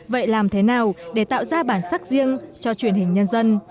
vậy làm thế nào để tạo ra bản sắc riêng cho truyền hình nhân dân